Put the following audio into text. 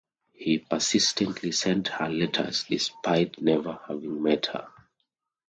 He persistently sent her letters despite never having met her.